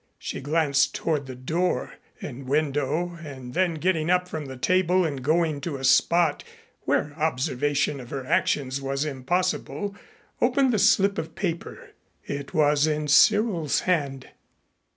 She glanced toward the door and window and then getting up from the table and going to a spot where observation of her actions was impossible, opened the slip of paper. It was in Cyril's hand.